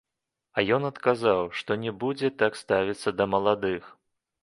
А ён адказаў, што не будзе так ставіцца да маладых.